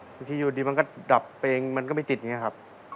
บางทีอยู่ดีมันก็ดับเปรงมันก็ไม่ติดอย่างนี้ครับ